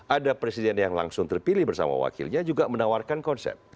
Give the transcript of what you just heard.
ada presiden yang langsung terpilih bersama wakilnya juga menawarkan konsep